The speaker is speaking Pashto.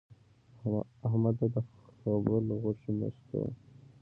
احمده! د خبل غوښې مه شکوه.